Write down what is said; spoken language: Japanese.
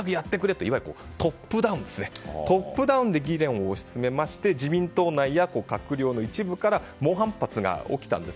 いわゆるトップダウンで議論を押し進めまして自民党内や閣僚の一部から猛反発が起きたんです。